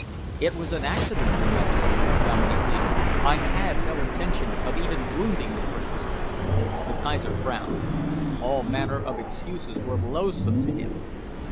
"It was an accident, your Majesty," Dominey pleaded. "I had no intention of even wounding the Prince." The Kaiser frowned. All manner of excuses were loathsome to him.